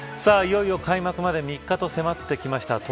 いよいよ開幕まで３日と迫ってきました